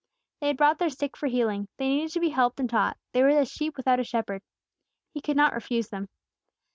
They had brought their sick for healing. They needed to be helped and taught; they were "as sheep without a shepherd!" He could not refuse them.